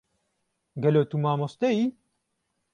gelo tu mamoste yî?